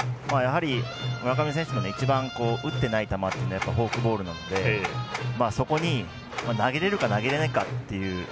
村上選手の一番打ってない球というのはフォークボールなのでそこに投げれるか投げれないかという。